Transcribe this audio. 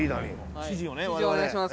指示お願いします。